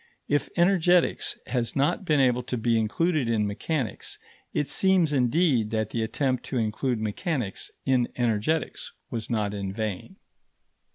If energetics has not been able to be included in mechanics, it seems indeed that the attempt to include mechanics in energetics was not in vain.